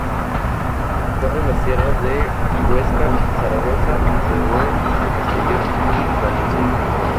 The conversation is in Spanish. Recorre las tierras de Huesca, Zaragoza, Teruel, Castellón y Valencia.